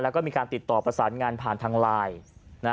แล้วก็มีการติดต่อประสานงานผ่านทางไลน์